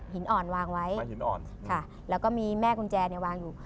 หินอ่อนวางไว้แล้วก็มีแม่กุญแจวางอยู่